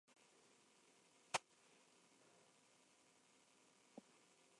La tradición de la Noche de hoguera ha sido criticada por su impacto ambiental.